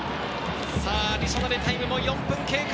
アディショナルタイムも４分経過。